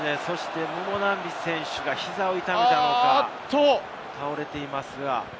ムボナンビ選手が膝を痛めたのか、倒れています。